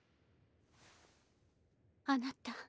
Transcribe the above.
あなた。